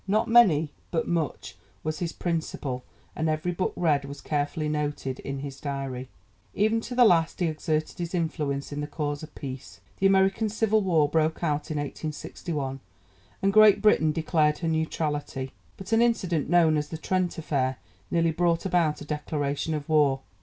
"Not many, but much," was his principle, and every book read was carefully noted in his diary. Even to the last he exerted his influence in the cause of peace. The American Civil War broke out in 1861, and Great Britain declared her neutrality. But an incident, known as 'The Trent Affair,' nearly brought about a declaration of war.